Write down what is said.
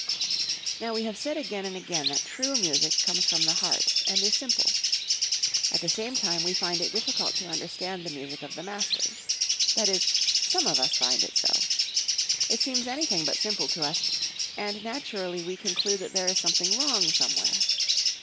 Now we have said again and again that true music comes from the heart, and is simple. At the same time we find it difficult to understand the music of the masters. That is, some of us find it so. It seems anything but simple to us; and naturally we conclude that there is something wrong somewhere.